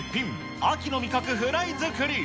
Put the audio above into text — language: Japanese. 秋の味覚フライ作り。